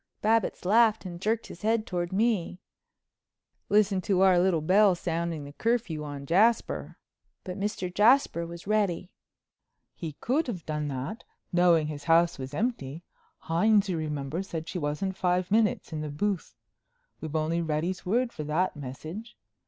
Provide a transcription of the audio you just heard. Babbitts laughed and jerked his head toward me. "Listen to our little belle sounding the curfew on Jasper." But Mr. Jasper was ready. "He could have done that, knowing his house was empty. Hines, you remember, said she wasn't five minutes in the booth. We've only Reddy's word for that message.